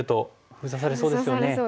封鎖されそうですね。